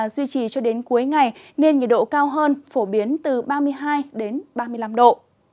duy trì cho đến cuối ngày nên nhiệt độ cao hơn phổ biến từ ba mươi hai ba mươi năm độ